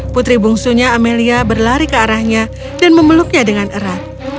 putri bungsunya amelia berlari ke arahnya dan memeluknya dengan erat